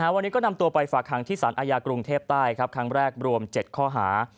วันนี้ก็นำตัวไปฝากหังที่สารอาญากรุงเทพใต้ครั้งแรกรวม๗ข้อหา